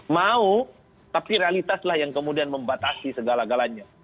mau tapi realitaslah yang kemudian membatasi segala galanya